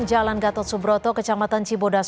jalan gatot subroto kecamatan cibodas